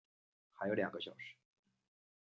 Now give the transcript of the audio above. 还有两个小时